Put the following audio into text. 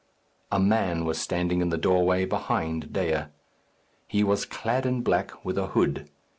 A man was standing in the doorway, behind Dea. He was clad in black, with a hood.